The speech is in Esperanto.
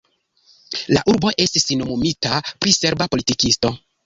La urbo estis nomumita pri serba politikisto.